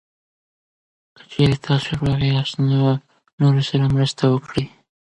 که چېرې تاسو روغ یاست، نو نورو سره مرسته وکړئ.